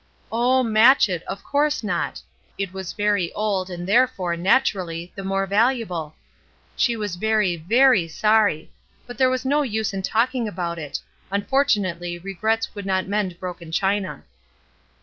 Oh, " match it," of course not I It was very old and therefore, naturally, the more valuable. She was very, very sorry; but there was no use in talkbg about it; un fortunately regrets would not mend broken china.